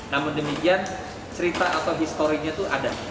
namun demikian cerita atau historinya itu ada